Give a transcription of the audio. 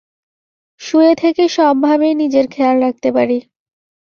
শুয়ে থেকে সব ভাবেই নিজের খেয়াল রাখতে পারি।